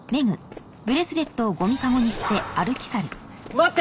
・待って！